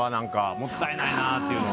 もったいないなっていうのは。